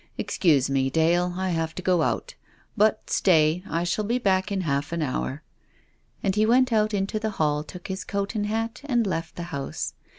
" Ex cuse me, Dale, I have to go out. But — stay — I shall be back in half an hour." And he went out into the hall, took his coat and hat and left the house.